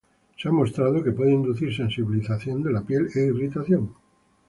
Se ha mostrado que puede inducir sensibilización de la piel e irritación